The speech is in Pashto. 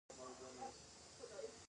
د نصوارو کارول په ځینو مشرانو کې شته.